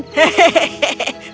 kau tidak punya pilihan pangeran